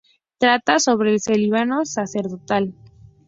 Trata sobre el celibato sacerdotal.